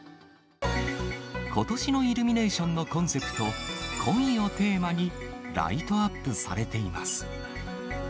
ことしのイルミネーションのコンセプト、恋をテーマに、ライトアップされています。